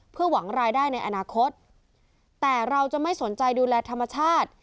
เพื่อหวังรายได้ในอนาคตแต่เราจะไม่สนใจดูแลธรรมชาติ